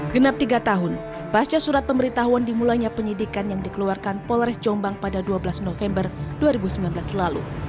genap tiga tahun pasca surat pemberitahuan dimulainya penyidikan yang dikeluarkan polres jombang pada dua belas november dua ribu sembilan belas lalu